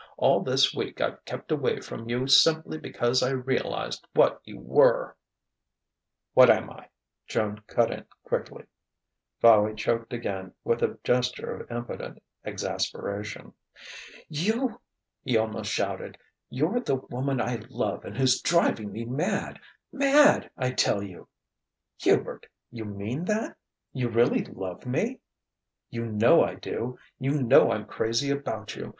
All this week I've kept away from you simply because I realized what you were " "What am I?" Joan cut in quickly. Fowey choked again, with a gesture of impotent exasperation. "You," he almost shouted "you're the woman I love and who's driving me mad mad I tell you!" "Hubert! You mean that? You really love me?" "You know I do. You know I'm crazy about you.